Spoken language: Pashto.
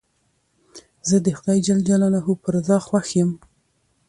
زه د خدای جل جلاله په رضا خوښ یم.